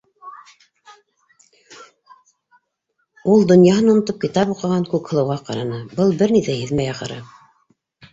Ул донъяһын онотоп китап уҡыған Күкһылыуға ҡараны: был бер ни ҙә һиҙмәй, ахыры.